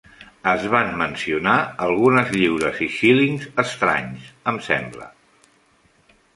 Es van mencionar algunes lliures i xílings estranys, em sembla.